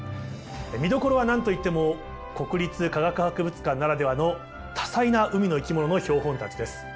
見どころは何と言っても国立科学博物館ならではの多彩な海の生き物の標本たちです。